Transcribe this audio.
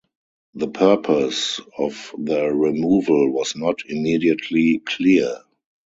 The purpose of the removal was not immediately clear.